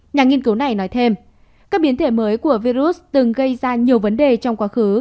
nhà nghiên cứu này nói thêm các biến thể mới của virus từng gây ra nhiều vấn đề trong quá khứ